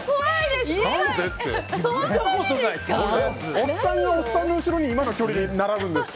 おっさんがおっさんの後ろに今の距離で並ぶんですか。